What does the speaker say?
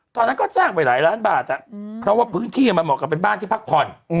ตอนนั้นก็จ้างไปหลายล้านบาทเพราะว่าพื้นที่มันเหมาะกับเป็นบ้านที่พักผ่อน